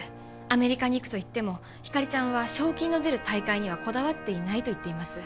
アメリカに行くといってもひかりちゃんは賞金の出る大会にはこだわっていないと言っています